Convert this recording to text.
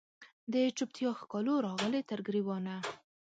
د چوپتیا ښکالو راغلې تر ګریوانه